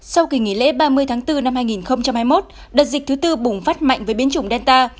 sau kỳ nghỉ lễ ba mươi tháng bốn năm hai nghìn hai mươi một đợt dịch thứ tư bùng phát mạnh với biến chủng delta